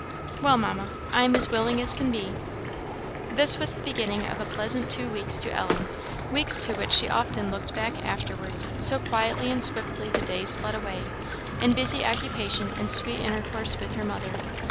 "Well, Mamma, I am as willing as can be." This was the beginning of a pleasant two weeks to Ellen weeks to which she often looked back afterwards, so quietly and swiftly the days fled away, in busy occupation and sweet intercourse with her mother.